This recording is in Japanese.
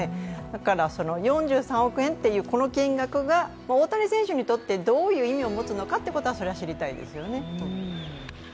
だから４３億円というこの金額が、大谷選手にとってどういう意味を持つのかというのは知りたいですよね。